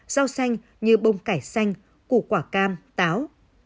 rau xanh như bông cải xanh củ quả cam táo